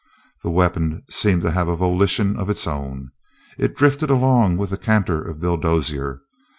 The weapon seemed to have a volition of its own. It drifted along with the canter of Bill Dozier.